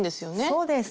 そうです。